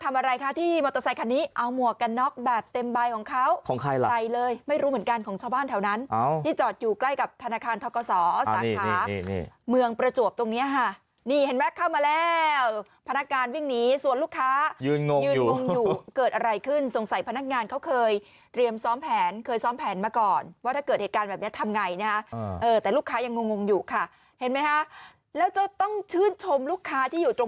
ทำอะไรคะที่มอเตอร์ไซคันนี้เอาหมวกกันนอกแบบเต็มใบของเขาของใครละไปเลยไม่รู้เหมือนกันของช้าบ้านแถวนั้นที่จอดอยู่ใกล้กับธนาคารธนาคารธนาคารธนาคารธนาคารธนาคารธนาคารธนาคารธนาคารธนาคารธนาคารธนาคารธนาคารธนาคารธนาคารธนาคารธนาคารธนาคารธนาคารธนาคารธนาคารธนาคารธน